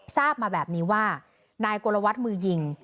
ทราบมาแบบนี้ว่านายกลวัฒน์มือยิง